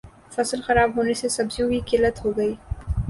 فصل خراب ہونے سے سبزیوں کی قلت ہوگئی